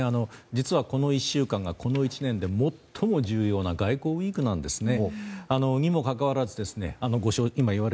実はこの１週間がこの１年で最も重要な外交ウィークなんですね。